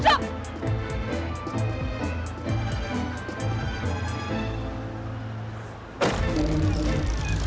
dia cari ada sama kita